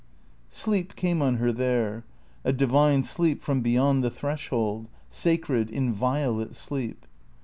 Sleep came on her there; a divine sleep from beyond the threshold; sacred, inviolate sleep.